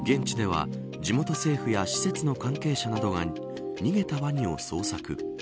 現地では、地元政府や施設の関係者などが逃げたワニを捜索。